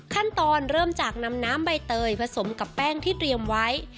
ขั้นตอนเริ่มจากนำน้ำใบเตยผสมกับแป้งที่เตรียมไว้